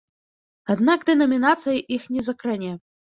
Аднак дэнамінацыя іх не закране.